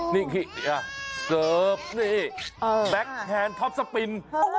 นี่คิดดิสเกิร์ฟนี่แบ็คแฮนด์ท็อปสปิน